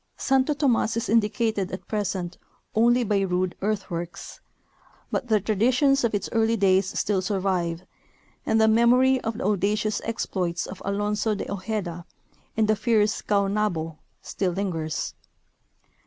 Santo Tomas is indicated at present only by rude earthworks, but the traditions of its early days still survive, and the memory of the audacious exploits of Alonzo de Ojeda and the fierce Caonabo still lingers.